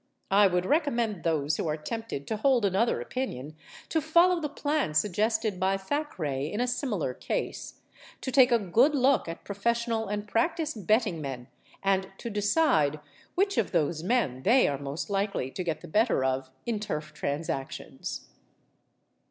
I would recommend those who are tempted to hold another opinion to follow the plan suggested by Thackeray in a similar case—to take a good look at professional and practised betting men, and to decide 'which of those men they are most likely to get the better of' in turf transactions.